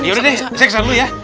ya udah deh saya kesan dulu ya